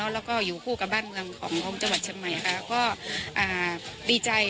และอยู่คู่กับบ้านเมืองของโมงค์จังหวัดชมัย